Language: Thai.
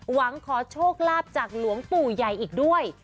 หวังขอโชคลาภจากหลวงปู่ใหญ่อีกด้วย